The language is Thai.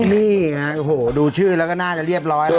นี่อะโหดูชื่อละก็น่าจะเรียบร้อยนะครับ